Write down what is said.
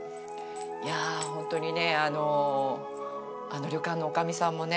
いやホントにねあの旅館の女将さんもね